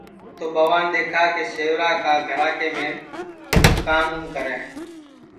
تو ٻوان دؔیکھا کہ سیورا کا گھرا کے مہم ہوں کام اُم کرے